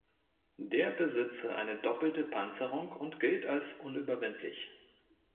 Der besitze eine doppelte Panzerung und gilt als unüberwindlich.